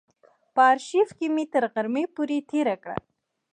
په آرشیف کې مې تر غرمې پورې تېره کړه.